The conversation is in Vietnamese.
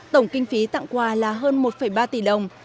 tổng kinh phí tặng quà là hơn một ba tỷ đồng